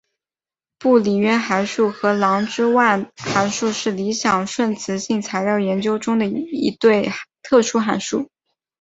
布里渊函数和郎之万函数是理想顺磁性材料研究中的一对特殊函数。